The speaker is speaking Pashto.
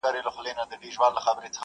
د دستار سرونه یو نه سو را پاته؛